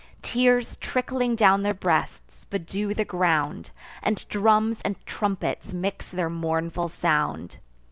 Tears, trickling down their breasts, bedew the ground, And drums and trumpets mix their mournful sound.